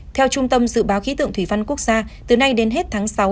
theo trung tâm dự báo khí tượng thủy văn quốc gia từ nay đến hết tháng sáu